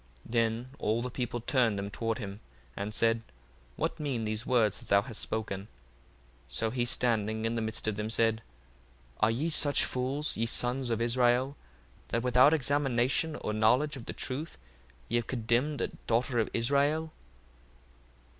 1:47 Then all the people turned them toward him, and said, What mean these words that thou hast spoken? 1:48 So he standing in the midst of them said, Are ye such fools, ye sons of Israel, that without examination or knowledge of the truth ye have condemned a daughter of Israel?